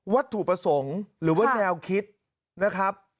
วัตถุประสงค์หรือว่าแนวคิดนะครับ